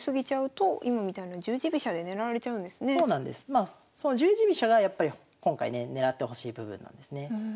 まあその十字飛車がやっぱり今回ね狙ってほしい部分なんですね。